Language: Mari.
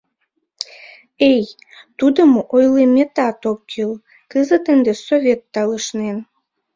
Эй, тудым ойлыметат ок кӱл: кызыт ынде Совет талышнен...